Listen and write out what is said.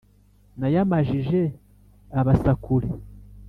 nayamajije abasakure